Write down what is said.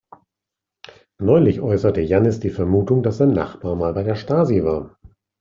Neulich äußerte Jannis die Vermutung, dass sein Nachbar mal bei der Stasi war.